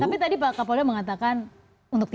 tapi tadi pak kapolda mengatakan untuk tidak